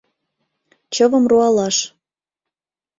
Чывым руалаш.